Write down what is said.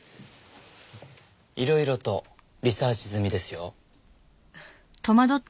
いろいろとリサーチ済みですよ。